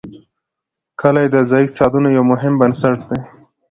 کلي د ځایي اقتصادونو یو مهم بنسټ دی.